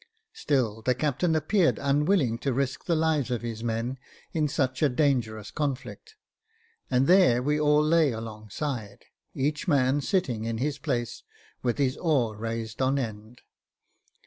Still the captain appeared unwilling to risk the lives of his men in such a dangerous conflict, and there we all lay alongside, each man sitting in his place with his oar raised on end.